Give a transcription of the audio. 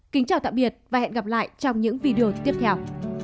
kính chào tạm biệt và hẹn gặp lại trong những video tiếp theo